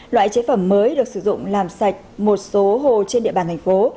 loại chế phẩm mới được sử dụng làm sạch một số hồ trên địa bàn thành phố